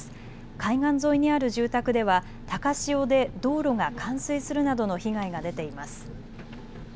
海岸沿いにある住宅では高潮で道路が冠水するなどの被害が出ています。